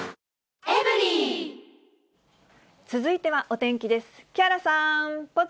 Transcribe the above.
続いてはお天気です。